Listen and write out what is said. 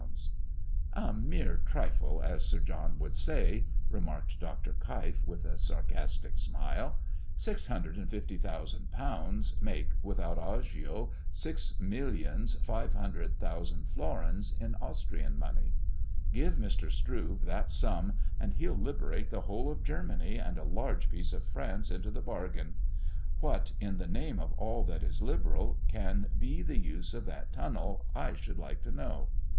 "A mere trifle! as Sir John would say," remarked Dr. Keif, with a sarcastic smile; "£650,000 make, without agio, six millions five hundred thousand florins in Austrian money. Give Mr. Struve that sum, and he'll liberate the whole of Germany and a large piece of France into the bargain. What, in the name of all that is liberal, can be the use of that tunnel, I should like to know?